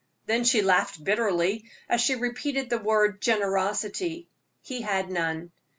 Then she laughed bitterly as she repeated the word "generosity" he had none.